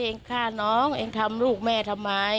ฆ่าน้องเองทำลูกแม่ทำไม